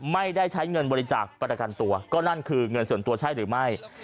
ไม่ได้ใช้เงินบริจาคประกันตัวก็นั่นคือเงินส่วนตัวใช่หรือไม่